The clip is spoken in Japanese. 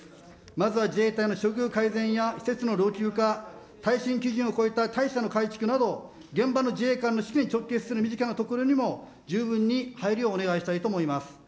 まずは自衛隊の処遇改善や施設の老朽化、耐震基準を超えた隊舎の改築など、自衛官の士気に直結する身近なところにも十分に配慮をお願いしたいと思います。